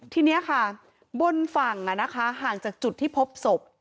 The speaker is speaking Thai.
ทีนี้ค่ะบนฝั่งห่างจากจุดที่พบศพ